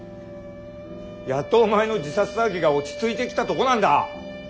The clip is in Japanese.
やっとお前の自殺騒ぎが落ち着いてきたとこなんだ。